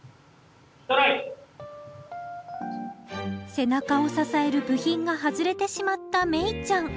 背中を支える部品が外れてしまった芽衣ちゃん。